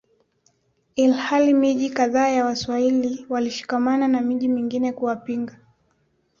ilhali miji kadhaa ya Waswahili walishikamana na miji mingine kuwapinga